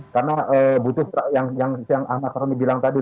karena yang ahmad harami bilang tadi